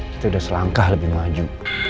kita sudah selangkah lebih maju